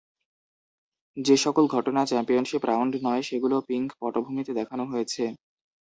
যে সকল ঘটনা চ্যাম্পিয়নশীপ রাউন্ড নয় সেগুলো পিঙ্ক পটভূমিতে দেখানো হয়েছে।